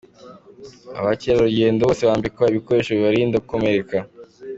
Abacyerarugendo bose bambikwa ibikoresho bibarinda gukomereka.